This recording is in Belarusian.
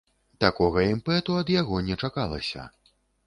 Такога імпэту ад яго не чакалася.